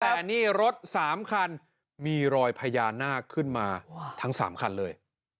แต่นี่รถ๓คันมีรอยพญานาคขึ้นมาทั้ง๓คันเลย